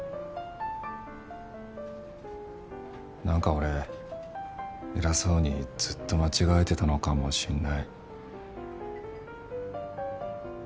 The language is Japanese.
何か俺偉そうにずっと間違えてたのかもしんない